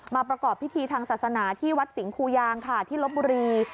ประกอบพิธีทางศาสนาที่วัดสิงคูยางค่ะที่ลบบุรี